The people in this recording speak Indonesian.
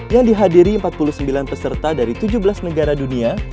yang dihadiri empat puluh sembilan peserta dari tujuh belas negara dunia